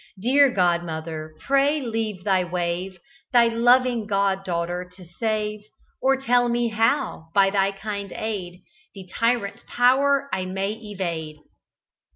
Dear Godmother! Pray leave thy wave Thy loving god daughter to save, Or tell me how, by thy kind aid, The tyrant's power I may evade!"